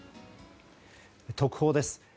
特報です。